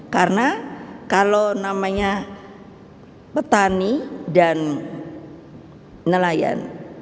karena kalau namanya petani dan nelayan